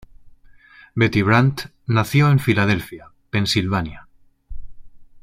Betty Brant nació en Filadelfia, Pensilvania.